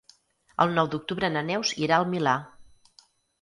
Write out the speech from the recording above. El nou d'octubre na Neus irà al Milà.